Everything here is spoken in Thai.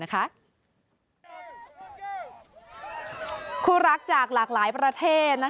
คู่รักจากหลากหลายประเทศ